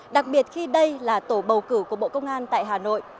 đặc biệt khi đây là tổ bầu cử của bộ công an tại hà nội